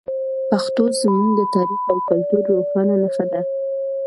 پښتو زموږ د تاریخ او کلتور روښانه نښه ده.